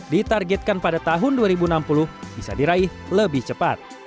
ditargetkan pada tahun dua ribu enam puluh bisa diraih lebih cepat